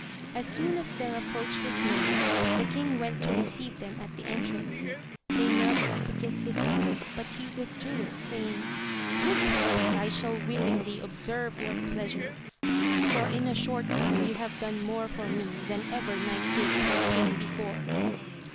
As soon as their approach was known the king went to receive them at the entrance. They knelt to kiss his hand, but he withdrew it, saying, Good friend, I shall willingly observe your pleasure, for in a short time you have done more for me than ever knight did for king before.